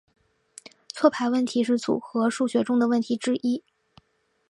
错排问题是组合数学中的问题之一。